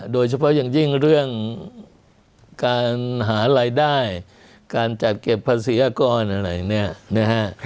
โดยเฉพาะอย่างยิ่งเรื่องการหารายได้การจัดเก็บภาษีอากรอะไรเนี่ยนะฮะ